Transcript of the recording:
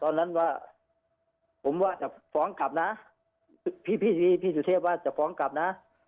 ตอนนั้นว่าผมว่าจะฟ้องกลับนะพี่พี่สุเทพว่าจะฟ้องกลับนะ